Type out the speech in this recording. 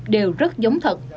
đều rất giống thật